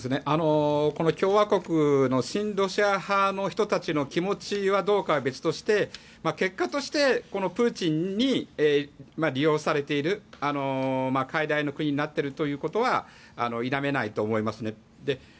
この共和国の親ロシア派の人たちの気持ちがどうかは別として結果としてプーチンに利用されている、傀儡の国になっているということは否めないと思いますね。